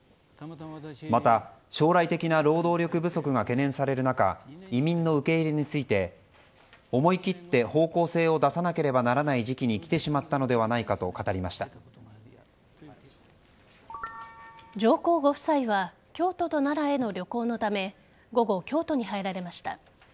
また、将来的な労働力不足が懸念される中移民の受け入れについて思い切って方向性を出さなければならない時期に来てしまったのではないかと上皇ご夫妻は京都と奈良への旅行のため午後、京都に入られました。